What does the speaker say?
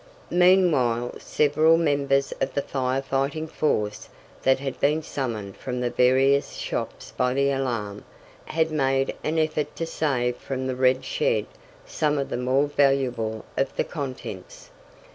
Meanwhile several members of the fire fighting force that had been summoned from the various shops by the alarm, had made an effort to save from the red shed some of the more valuable of the contents.